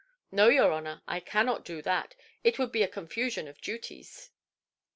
"No, your honour, I cannot do that; it would be a confusion of duties".